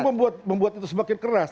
dan itu membuat itu semakin keras